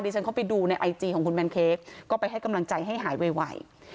ฉันเข้าไปดูในไอจีของคุณแนนเค้กก็ไปให้กำลังใจให้หายไว